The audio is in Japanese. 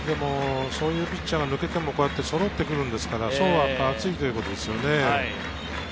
そういうピッチャーが抜けてもこれだけそろってくるんですから層が厚いっていうことですよね。